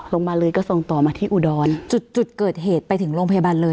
โรงพยาบาลเลยก็ส่งต่อมาที่อุดรจุดจุดเกิดเหตุไปถึงโรงพยาบาลเลย